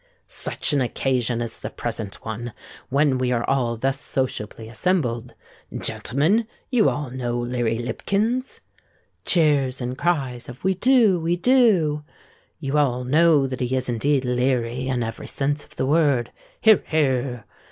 Such an occasion is the present one, when we are all thus sociably assembled. Gentlemen, you all know Leary Lipkins! (Cheers, and cries of "We do! we do!") You all know that he is indeed leary in every sense of the word. (Hear! hear!)